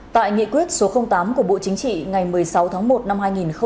tại nghị quyết số tám của bộ chính trị ngày một mươi sáu tháng một năm hai nghìn một mươi chín